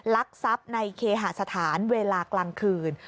ลักษับในเคหสถานเวลากลางคืน